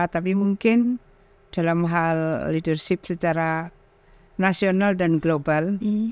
tapi mungkin dalam hal leadership secara nasional dan global